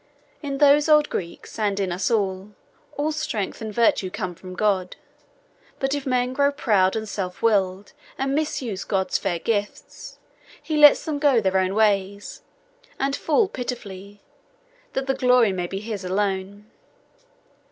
In those old Greeks, and in us also, all strength and virtue come from God. But if men grow proud and self willed, and misuse God's fair gifts, He lets them go their own ways, and fall pitifully, that the glory may be His alone.